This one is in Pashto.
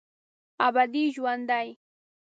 ابدي ژوندي